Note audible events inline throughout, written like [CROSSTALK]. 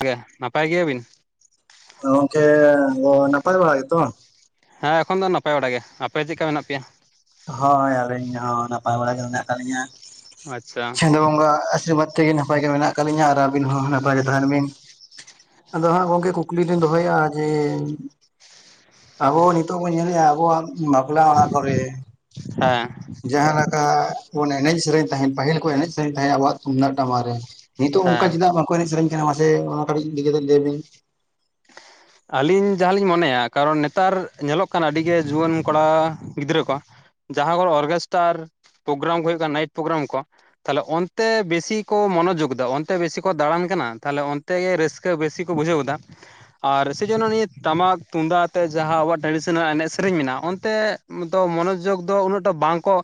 -ᱜᱮ ᱱᱟᱯᱟᱭ ᱜᱮᱭᱟᱵᱤᱱ? ᱜᱚᱢᱠᱮ ᱱᱟᱯᱟᱭ ᱵᱟᱲ ᱜᱮᱛᱚ? ᱦᱮᱸ ᱮᱠᱷᱚᱱ ᱫᱚ ᱱᱟᱯᱟᱭ ᱵᱟᱲᱟᱜ ᱜᱮ ᱟᱯᱮ ᱪᱮᱫ ᱞᱮᱠᱟ ᱢᱮᱱᱟᱜ ᱯᱮᱭᱟ? ᱦᱳᱭ ᱟᱹᱞᱤᱧ ᱦᱚᱸ ᱱᱟᱯᱟᱭ ᱵᱟᱲᱟ ᱜᱮ ᱢᱮᱱᱟᱜ ᱠᱟᱜ ᱞᱤᱧᱟ ᱟᱪᱪᱷᱟ ᱪᱷᱟᱫᱳ ᱵᱚᱸᱜᱟ ᱣᱟᱜ ᱟᱥᱤᱨᱵᱟᱫᱽ ᱛᱮᱜᱤ ᱱᱟᱯᱟᱭ ᱜᱮ ᱢᱮᱱᱟᱜ ᱟᱠᱟᱫ ᱞᱤᱧᱟ ᱟᱨ ᱟᱵᱤᱱ ᱦᱚᱸ ᱱᱟᱯᱟᱭ ᱛᱟᱦᱮᱱ ᱵᱤᱱ ᱾ ᱟᱫᱚ ᱦᱟᱸᱜ ᱜᱚᱝᱠᱮ ᱠᱩᱠᱞᱤ ᱞᱤᱧ ᱫᱚᱦᱚ ᱭᱮᱜᱟ ᱡᱮ ᱟᱵᱚ ᱱᱤᱛᱚᱜ ᱵᱚᱱ ᱧᱮᱞᱮᱜ-ᱟ ᱟᱵᱚᱣᱟᱜ ᱵᱟᱯᱞᱟ ᱚᱲᱟᱜ ᱠᱚᱨᱮ ᱦᱮᱸ ᱡᱟᱦᱟᱸ ᱞᱮᱠᱟ ᱵᱚᱱ ᱮᱱᱮᱡ ᱥᱮᱨᱮᱧ ᱛᱟᱦᱮᱸᱫ ᱯᱟᱹᱦᱤᱞ ᱠᱚ ᱮᱱᱮᱡ ᱥᱮᱨᱮᱧ ᱛᱟᱦᱮᱸᱫ ᱟᱵᱚᱣᱟᱜ ᱛᱩᱢᱫᱟᱜ ᱴᱟᱢᱟ ᱨᱮ ᱱᱤᱛᱚᱜ ᱚᱱᱠᱟ ᱦᱮᱸ ᱪᱮᱫᱟᱜ ᱵᱟᱠᱚ ᱮᱱᱮᱡ ᱥᱮᱨᱮᱧ ᱠᱟᱱᱟ ᱢᱟᱥᱮ ᱚᱱᱟ ᱠᱟᱹᱴᱤᱡ ᱤᱫᱤ ᱠᱟᱛᱮᱜ ᱞᱟᱹᱭ ᱵᱤᱱ ᱟᱹᱞᱤᱧ ᱡᱟᱦᱟᱸᱞᱤᱧ ᱢᱚᱱᱮᱭᱟ ᱠᱟᱨᱚᱱ ᱱᱮᱛᱟᱨ ᱧᱮᱞᱚᱜ ᱠᱟᱱᱟ ᱟᱹᱰᱤᱜᱮ ᱡᱩᱣᱟᱹᱱ ᱠᱚᱲᱟ ᱜᱤᱫᱽᱨᱟᱹ ᱠᱚ ᱡᱟᱦᱟᱸ ᱠᱚ ᱨᱮ ᱚᱨᱜᱮᱥᱴᱟᱨ ᱯᱨᱳᱜᱨᱟᱢ ᱠᱚ ᱦᱩᱭᱩᱜ ᱠᱟᱱᱟ ᱾ ᱱᱟᱭᱤᱴ ᱯᱨᱳᱜᱨᱟᱢ ᱠᱚ ᱛᱟᱦᱟᱞᱮ ᱚᱱᱛᱮ ᱵᱮᱥᱤ ᱠᱚ ᱢᱚᱱᱳᱚᱡᱳᱜᱽ ᱫᱟ ᱚᱱᱛᱮ ᱵᱮᱥᱤ ᱠᱚ ᱫᱟᱬᱟᱱ ᱠᱟᱱᱟ ᱛᱟᱦᱞᱮ ᱛᱮ ᱜᱮ ᱨᱟᱹᱥᱠᱟᱹ ᱵᱮᱥᱤ ᱠᱚ ᱵᱩᱡᱷᱟᱹᱣ ᱮᱫᱟ ᱾ ᱟᱨ ᱥᱮ ᱡᱚᱱᱱᱚ ᱱᱤᱭᱟᱹ ᱴᱟᱢᱟᱠ ᱛᱩᱢᱫᱟᱜ ᱟᱛᱮ ᱡᱟᱦᱟᱸ ᱟᱵᱚᱣᱟᱜ ᱴᱨᱟᱰᱤᱥᱚᱱᱟᱞ ᱮᱱᱮᱡ ᱥᱮᱨᱮᱧ ᱢᱮᱱᱟᱜ-ᱟ, ᱚᱱᱛᱮ ᱢᱚᱱᱚᱡᱳᱜᱽ ᱫᱚ ᱩᱱᱟᱹᱜᱴᱟ ᱵᱟᱝ ᱠᱚ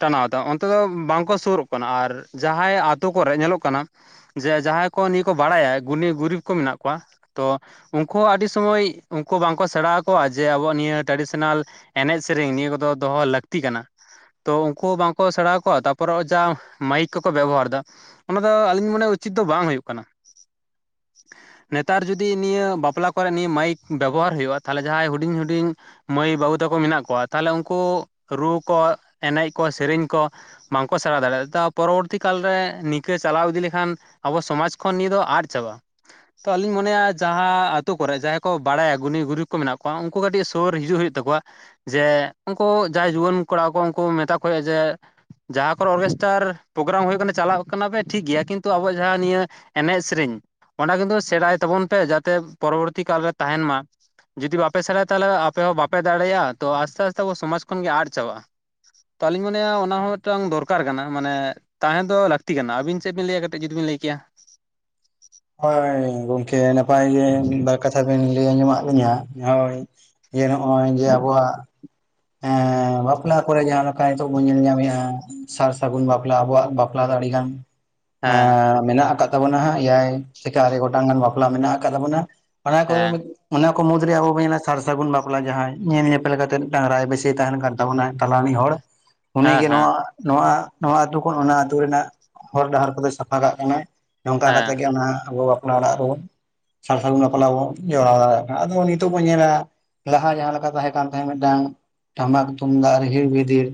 ᱴᱟᱱᱟᱣ ᱫᱟ ᱚᱱᱛᱮ ᱫᱚ ᱵᱟᱝᱠᱚ ᱥᱩᱨᱚᱜ ᱠᱟᱱᱟ ᱟᱨ ᱡᱟᱦᱟᱸᱭ ᱟᱛᱳ ᱠᱚᱨᱮ ᱧᱮᱞᱚᱜ ᱠᱟᱱᱟ ᱡᱮ ᱡᱟᱦᱟᱸᱭ ᱠᱚ ᱱᱤᱭᱟᱹ ᱠᱚ ᱵᱟᱲᱟᱭᱟ ᱜᱩᱱᱤ ᱜᱩᱨᱤᱵᱽ ᱠᱚ ᱢᱮᱱᱟᱜ ᱠᱚᱣᱟ ᱛᱚ ᱩᱱᱠᱩ ᱦᱚᱸ ᱟᱹᱰᱤ ᱥᱳᱢᱚᱭ ᱩᱱᱠᱩ ᱵᱟᱝᱠᱚ ᱥᱮᱬᱟ ᱟᱠᱚᱣᱟ ᱡᱮ ᱟᱵᱚᱣᱟᱜ ᱱᱤᱭᱟᱹ ᱴᱨᱟᱰᱤᱥᱚᱱᱟᱞ ᱮᱱᱮᱡ ᱥᱮᱨᱮᱧ ᱱᱤᱭᱟᱹ ᱠᱚᱫᱚ ᱫᱚᱦᱚ ᱞᱟᱹᱠᱛᱤ ᱠᱟᱱᱟ ᱾ ᱛᱚ ᱩᱱᱠᱩ ᱵᱟᱝ ᱠᱚ ᱥᱮᱬᱟ ᱟᱠᱚᱣᱟ ᱛᱟᱨᱯᱚᱨᱮ ᱦᱚᱜᱼᱟᱭ ᱡᱟ ᱢᱟᱭᱤᱠ ᱠᱚᱠᱚ ᱵᱮᱵᱚᱦᱟᱨᱼᱫᱟ ᱚᱱᱟ ᱫᱚ ᱟᱹᱞᱤᱧ ᱢᱚᱱᱮ ᱩᱪᱤᱛ ᱫᱚ ᱵᱟᱝ ᱦᱩᱭᱩᱜ ᱠᱟᱱᱟ, ᱱᱮᱛᱟᱨ ᱡᱩ ᱡᱩᱫᱤ ᱱᱤᱭᱟᱹ ᱵᱟᱯᱞᱟ ᱠᱚᱨᱮ ᱱᱤᱭᱟᱹ ᱢᱟᱭᱤᱠ ᱵᱮᱵᱚᱦᱟᱨ ᱦᱩᱭᱩᱜ-ᱟ ᱛᱟᱦᱚᱞᱮ ᱡᱟᱦᱟᱸᱭ ᱦᱩᱰᱤᱧ ᱦᱩᱰᱤᱧ ᱢᱟᱹᱭ ᱵᱟᱹᱵᱩ ᱛᱟᱠᱚ ᱢᱮᱱᱟᱜ ᱠᱚᱣᱟ ᱛᱟᱦᱚᱞᱮ ᱩᱱᱠᱩ ᱨᱩ ᱠᱚ ᱮᱱᱮᱡ ᱠᱚ ᱥᱮᱨᱮᱧ ᱠᱚ ᱵᱟᱝᱠᱚ ᱥᱮᱬᱟ ᱫᱟᱲᱮᱭᱟᱜᱟ ᱾ ᱛᱟ ᱯᱚᱨᱚᱵᱚᱨᱛᱤ ᱠᱟᱞᱨᱮ ᱱᱤᱝᱠᱟᱹ ᱪᱟᱞᱟᱣ ᱤᱫᱤ ᱞᱮᱠᱷᱟᱱ ᱟᱵᱚ ᱥᱚᱢᱟᱡ ᱠᱷᱚᱱ ᱱᱤᱭᱟᱹ ᱫᱚ ᱟᱫ ᱪᱟᱵᱟᱜᱼᱟ ᱛᱚ ᱟᱞᱤᱧ ᱢᱚᱱᱮᱭᱟ- ᱡᱟᱦᱟᱸ ᱟᱹᱛᱩ ᱠᱚᱨᱮ ᱡᱟᱦᱟᱸᱭ ᱠᱚ ᱵᱟᱲᱟᱭᱟ ᱜᱩᱱᱤ ᱜᱩᱨᱤ ᱠᱚ ᱢᱮᱱᱟᱜ ᱠᱚᱣᱟ ᱩᱱᱠᱩ ᱠᱟᱹᱴᱤᱡ ᱥᱩᱨ ᱦᱤᱡᱩᱜ ᱦᱩᱭᱩᱜ ᱛᱟᱠᱚᱣᱟ ᱡᱮ ᱩᱱᱠᱩ ᱡᱟᱦᱟᱸᱭ ᱡᱩᱣᱟᱹᱱ ᱠᱚᱲᱟ ᱠᱚ ᱩᱱᱠᱩ ᱢᱮᱛᱟ ᱠᱚ ᱦᱳᱭᱳᱜᱼᱟ ᱡᱮ- ᱡᱟᱦᱟᱸ ᱠᱚᱨᱮ ᱚᱨᱜᱮᱥᱴᱟᱨ ᱯᱨᱳᱜᱨᱟᱢ ᱦᱩᱭᱩᱜ ᱠᱟᱱᱟ ᱪᱟᱞᱟᱜ ᱠᱟᱱᱟ ᱯᱮ ᱴᱷᱤᱠ ᱜᱮᱭᱟ ᱠᱤᱱᱛᱩ ᱟᱵᱚᱣᱟᱜ ᱡᱟᱦᱟᱸ ᱱᱤᱭᱟᱹ- ᱮᱱᱮᱡ ᱥᱮᱨᱮᱧ ᱚᱱᱟ ᱠᱤᱱᱛᱩ ᱥᱮᱬᱟᱭ ᱛᱟᱵᱚᱱ ᱯᱮ ᱡᱟᱛᱮ ᱯᱚᱨᱚᱵᱚᱨᱛᱤ ᱠᱟᱞᱨᱮ ᱛᱟᱦᱮᱱ ᱢᱟ ᱡᱩᱫᱤ ᱵᱟᱯᱮ ᱥᱮᱬᱟᱭᱟ ᱛᱟᱦᱚᱞᱮ ᱟᱯᱮ ᱦᱚᱸ ᱵᱟᱯᱮ ᱫᱟᱲᱮᱭᱟᱜᱼᱟ ᱛᱚ ᱟᱥᱛᱮ ᱟᱥᱛᱮ ᱟᱵᱚ ᱥᱚᱢᱟᱡᱽ ᱠᱷᱚᱱ ᱜᱮ ᱟᱫ ᱪᱟᱵᱟᱜᱼᱟ᱾ ᱛᱚ ᱟᱹᱞᱤᱧ ᱢᱚᱱᱮᱭᱟ ᱚᱱᱟ ᱦᱚᱸ ᱢᱤᱫᱴᱟᱝ ᱫᱚᱨᱠᱟᱨ ᱠᱟᱱᱟ ᱢᱟᱱᱮ- ᱛᱟᱦᱮᱸ ᱫᱚ ᱞᱟᱹᱠᱛᱤ ᱠᱟᱱᱟ ᱟᱹᱵᱤᱱ ᱪᱮᱫ ᱵᱤᱱ ᱞᱟᱹᱭᱟ ᱠᱟᱹᱴᱤᱡ ᱡᱩᱫᱤ ᱵᱤᱱ ᱞᱟᱹᱭ ᱠᱮᱭᱟ ᱦᱳᱭ ᱜᱳᱭ ᱜᱚᱝᱠᱮ ᱱᱟᱯᱟᱭ ᱜᱮ ᱢᱤᱫᱵᱟᱨ ᱠᱟᱛᱷᱟ ᱵᱮᱱ ᱞᱟᱹᱭ ᱟᱸᱡᱚᱢᱟᱫ ᱞᱤᱧᱟᱹ ᱦᱳᱭ ᱡᱮ ᱱᱚᱜᱼᱚᱭ ᱡᱮ ᱟᱵᱚᱣᱟᱜ- ᱮᱸ ᱵᱟᱯᱞᱟ ᱠᱚᱨᱮ ᱡᱟᱦᱟᱸ ᱞᱮᱠᱟ ᱱᱤᱛᱚᱜ ᱵᱚᱱ ᱧᱮᱞ ᱧᱟᱢᱮᱫᱼᱟ ᱥᱟᱨ ᱥᱟᱹᱜᱩᱱ ᱵᱟᱯᱞᱟ ᱟᱵᱚᱣᱟᱜ ᱵᱟᱯᱞᱟ ᱫᱚ ᱟᱹᱰᱤᱜᱟᱱ- ᱦᱮᱸ ᱢᱮᱱᱟᱜ ᱟᱠᱟᱫ ᱛᱟᱵᱚᱱᱟ ᱾ ᱮᱭᱟᱭ ᱪᱮᱠᱟ ᱟᱨᱮ ᱜᱚᱴᱟᱝ ᱜᱟᱱ ᱵᱟᱯᱞᱟ ᱢᱮᱱᱟᱜ ᱟᱠᱟᱫ ᱛᱟᱵᱚᱱᱟ ᱚᱱᱟ ᱠᱚ ᱦᱮᱸ ᱚᱱᱟ ᱠᱚ ᱢᱩᱫᱽ ᱨᱮ ᱟᱵᱚ ᱵᱚᱱ ᱧᱮᱞᱟ ᱥᱟᱨ ᱥᱟᱹᱜᱩᱱ ᱵᱟᱯᱞᱟ ᱡᱟᱦᱟᱸᱭ ᱧᱮᱞ ᱧᱮᱯᱮᱞ ᱠᱟᱛᱮᱫ ᱰᱟᱦᱟᱨ ᱟᱭ ᱵᱮᱥᱤ ᱛᱟᱦᱮᱱ ᱠᱟᱱ ᱛᱟᱵᱚᱱᱟᱭ ᱛᱟᱞᱟ ᱨᱤᱱᱤ ᱦᱚᱲ ᱦᱮᱸ ᱩᱱᱤᱜᱮ ᱱᱚᱣᱟ ᱱᱚᱣᱟ ᱱᱚᱣᱟ ᱟᱹᱛᱩ ᱠᱷᱚᱱ ᱚᱱᱟ ᱟᱹᱛᱩ ᱨᱮᱱᱟᱜ ᱦᱚᱨ ᱰᱟᱦᱟᱨ ᱠᱚᱫᱚᱭ ᱥᱟᱯᱷᱟ ᱠᱟᱜ ᱠᱟᱱᱟ ᱱᱚᱝᱠᱟ ᱠᱟ ᱠᱟᱛᱮᱫ ᱦᱮᱸ ᱜᱮ ᱚᱱᱟ ᱟᱵᱚ ᱵᱟᱯᱞᱟ ᱚᱲᱟᱜ ᱨᱮᱵᱚᱱ ᱥᱟᱨ ᱥᱟᱹᱜᱩᱱ ᱵᱟᱯᱞᱟ ᱵᱚᱱ ᱡᱚᱲᱟᱣ ᱫᱟᱲᱮᱭᱟᱜᱼᱟ ᱟᱫᱚ ᱱᱤᱛᱚᱜ ᱵᱚᱱ ᱧᱮᱞᱟ ᱞᱟᱦᱟ ᱡᱟᱦᱟᱸ ᱞᱮᱠᱟ ᱛᱟᱦᱮᱸ ᱠᱟᱱ ᱛᱟᱦᱮᱸᱫ ᱢᱮᱫᱴᱟᱝ- ᱴᱟᱢᱟᱠ ᱛᱩᱢᱫᱟᱜ ᱨᱤᱦᱤᱲ ᱵᱤᱫᱤᱲ